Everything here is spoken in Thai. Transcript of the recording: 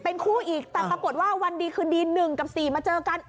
เป็นคู่อีกแต่ปรากฏว่าวันดีคืนดี๑กับ๔มาเจอกัน